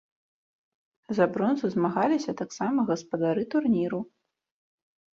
За бронзу змагаліся таксама гаспадары турніру.